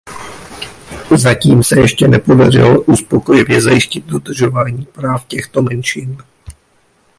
Zatím se ještě nepodařilo uspokojivě zajistit dodržování práv těchto menšin.